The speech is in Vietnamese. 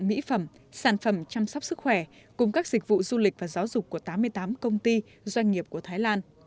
mỹ phẩm sản phẩm chăm sóc sức khỏe cùng các dịch vụ du lịch và giáo dục của tám mươi tám công ty doanh nghiệp của thái lan